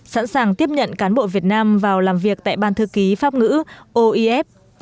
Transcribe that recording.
sẵn sàng tiếp nhận cán bộ việt nam vào làm việc tại ban thư ký pháp ngữ oef